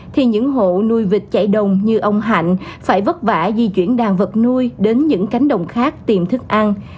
thì những hộ nuôi vịt chạy đồng như ông hạnh phải vất vả di chuyển đàn vật nuôi đến những cánh đồng khác tìm thức ăn